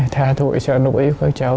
tha tội sợ nỗi cho các cháu